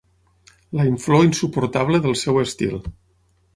La inflor insuportable del seu estil.